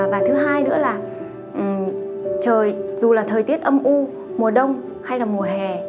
và thứ hai nữa là trời dù là thời tiết âm u mùa đông hay là mùa hè